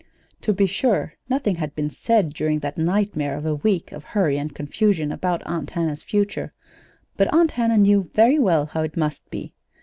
To be sure, nothing had been said during that nightmare of a week of hurry and confusion about Aunt Hannah's future; but Aunt Hannah knew very well how it must be.